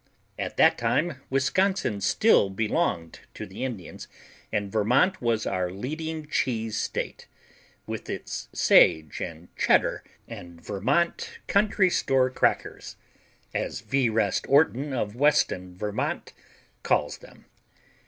At that time Wisconsin still belonged to the Indians and Vermont was our leading cheese state, with its Sage and Cheddar and Vermont Country Store Crackers, as Vrest Orton of Weston Vermont, calls them.